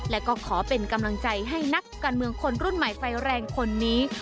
และก็ขอเป็นกำลังใจให้นักการเมืองคนรุ่นใหม่ไฟแรงคนนี้